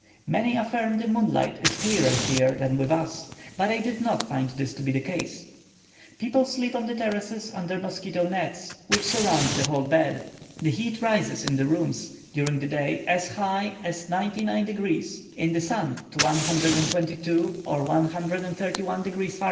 Many affirm the moonlight is clearer here than with us, but I did not find this to be the case. People sleep on the terraces under mosquito nets, which surround the whole bed. The heat rises in the rooms, during the day, as high as 99 degrees; in the sun, to 122 or 131 degrees Fah.